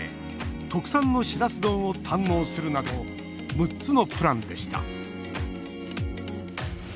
特産のしらす丼を堪能するなど６つのプランでした。